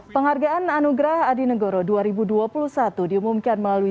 penghargaan anugerah adi negoro dua ribu dua puluh satu diumumkan melalui